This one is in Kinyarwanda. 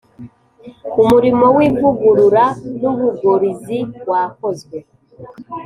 umurimo wivugurura nubugorizi wakozwe